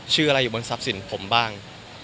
ชื่ออะไรอยู่บนทรัพย์สินผมบ้าง